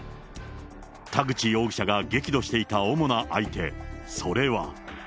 田口容疑者が激怒していた主な相手、それは。